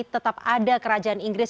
tetap ada kerajaan inggris